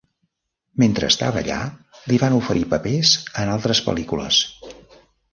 Mentre estava allà li van oferir papers en altres pel·lícules.